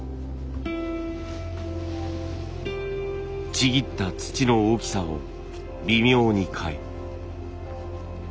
ちぎった土の大きさを微妙に変え。